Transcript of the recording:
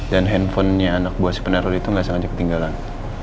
dan handphonenya anak buah si peneror itu nggak sangka ketinggalan